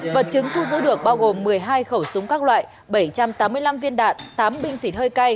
vật chứng thu giữ được bao gồm một mươi hai khẩu súng các loại bảy trăm tám mươi năm viên đạn tám bình xịt hơi cay